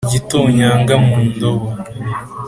igitonyanga mu ndobo.